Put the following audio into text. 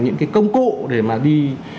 những cái công cụ để mà đi